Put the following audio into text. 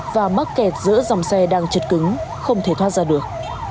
và mắc kẹt giữa dòng xe đang chật cứng không thể thoát ra được